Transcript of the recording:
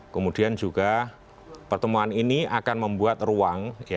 kemudian juga pertemuan ini akan membuat ruang